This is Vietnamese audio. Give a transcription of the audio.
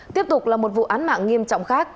tiếp tục là một vụ án mạng nghiêm trọng khác